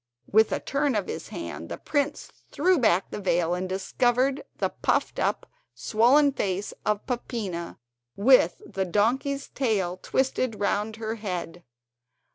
With a turn of his hand the prince threw back the veil, and discovered the puffed up, swollen face of Peppina, with the donkey's tail twisted round her head.